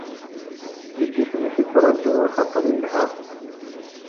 Deg yisem-ik i ttraǧuɣ axaṭer ilha.